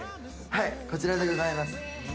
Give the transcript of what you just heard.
こちらでございます。